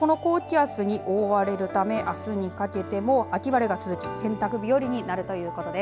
この高気圧に覆われるためあすにかけても秋晴れが続き洗濯日和になるということです。